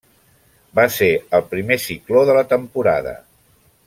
Va ser el primer cicló de la temporada.